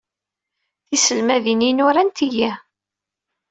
Tiselmadin-inu rant-iyi.